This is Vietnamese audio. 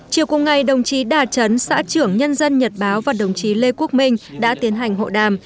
chiều cùng ngày đồng chí đà trấn xã trưởng nhân dân nhật báo và đồng chí lê quốc minh đã tiến hành hộ đàm